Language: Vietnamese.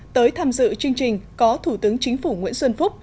tới tham dự chương trình có thủ tướng chính phủ nguyễn xuân phúc